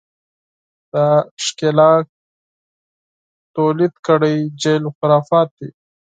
دا د ښکېلاک تولید کړی جهل و خرافات دي.